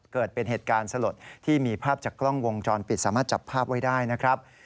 เกิดเป็นเหตุการณ์สลดที่มีภาพจากกล้องวงจรปิดสามารถจับภาพไว้ได้นะครับ